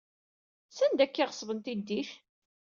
Sanda akka ay ɣeṣben tiddit?